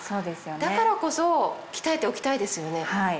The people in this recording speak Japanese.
だからこそ鍛えておきたいですよね。